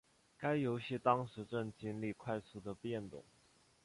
该游戏当时正经历快速的变动。